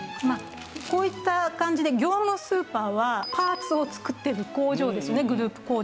こういった感じで業務スーパーはパーツを作っている工場ですねグループ工場。